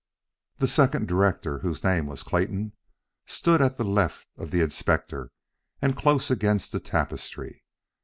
The second director, whose name was Clayton, stood at the left of the Inspector and close against the tapestry.